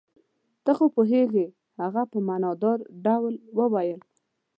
ته خو پوهېږې. هغه په معنی دار ډول وویل.